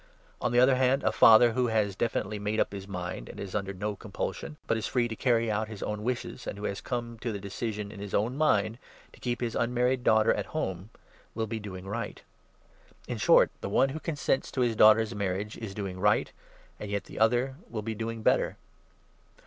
On the other hand, a 37 father, who has definitely made up his mind, and is under no compulsion, but is free to carry out his own wishes, and who has come to the decision, in his own mind, to keep his un married daughter at home, will be doing right. In short, the 38 one who consents to his daughter's marriage is doing right, and yet the other will be doing better.